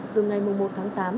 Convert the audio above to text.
từ ngày một tháng tám